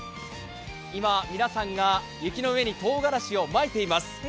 今、皆さんが雪の上にとうがらしをまいています。